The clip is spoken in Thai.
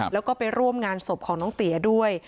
แล้วก็ไปร่วมงานศพของน้องเตี๋ยด้วย